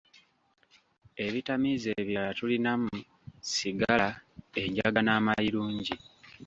Ebitamiiza ebirala tulinamu, sigala, enjaga n'amayilungi.